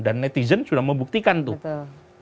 dan netizen sudah membuktikan tuh